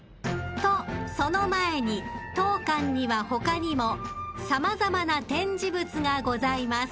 ［とその前に当館には他にも様々な展示物がございます］